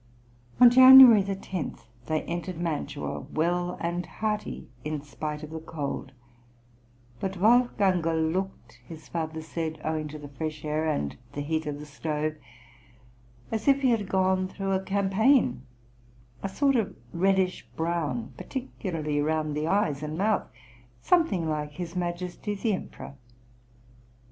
" On January 10 they entered Mantua well and hearty in spite of the cold; but Wolfgangerl looked, his father said, owing to the fresh air and the heat of the stove, "as if he had gone through a campaign, a sort of reddish brown, particularly round the eyes and mouth, something like his Majesty the Emperor."